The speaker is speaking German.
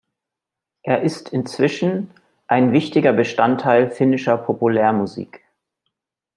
Er ist inzwischen ein wichtiger Bestandteil finnischer Populärmusik.